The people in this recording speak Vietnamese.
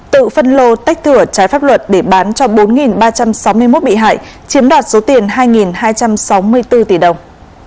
tự phân lô tách thửa trái pháp luật để bán cho bốn ba trăm sáu mươi một bị hại chiếm đoạt số tiền hai hai trăm sáu mươi bốn tỷ đồng